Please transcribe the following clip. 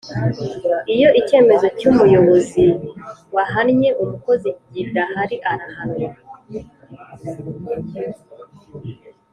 Iyo icyemezo cy umuyobozi wahannye umukozi gidahari arahanwa